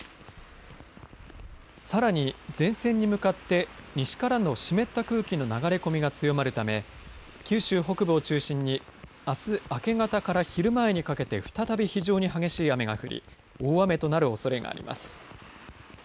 さらに、前線に向かって西からの湿った空気の流れ込みが強まるため九州北部を中心にあす明け方から昼前にかけて再び非常に激しい雨が降り大雨となるおそれがあります。